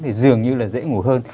thì dường như là dễ ngủ hơn